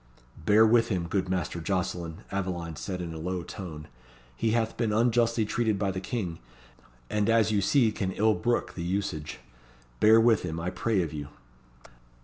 "Bear with him, good Master Jocelyn," Aveline said in a low tone. "He hath been unjustly treated by the King, and as you see can ill brook the usage. Bear with him, I pray of you."